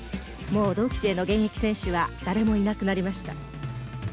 もう同期生の現役選手は誰もいなくなりました。